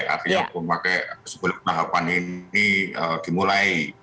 artinya pemakaian sebulan tahapan ini dimulai